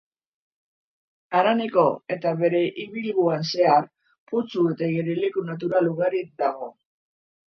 Haraneko bere ibilguan zehar putzu eta igerileku natural ugari dago.